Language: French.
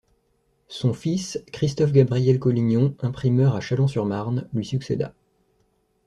Son fils Christophe-Gabriel Collignon, imprimeur à Châlons-sur-Marne, lui succéda.